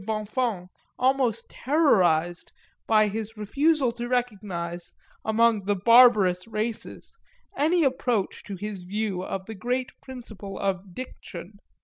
Bonnefons almost terrorised by his refusal to recognise, among the barbarous races, any approach to his view of the great principle of Diction.